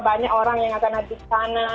banyak orang yang akan hadir di sana